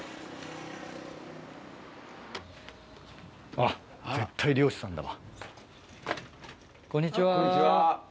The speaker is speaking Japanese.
あっ絶対漁師さんだわ。